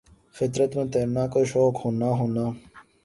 فطر ت میں تیرنا کا شوق ہونا ہونا